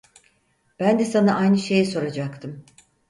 Ben de sana aynı şeyi soracaktım.